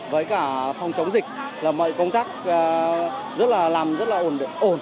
với cả phòng chống dịch là mọi công tác rất là làm rất là ổn